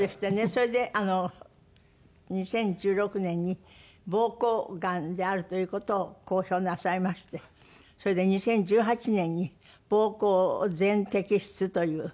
それで２０１６年に膀胱がんであるという事を公表なさいましてそれで２０１８年に膀胱を全摘出という。